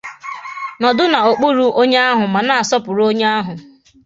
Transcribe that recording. nọdụ n’okpuru onye ahụ ma na-asọpụrụ onye ahụ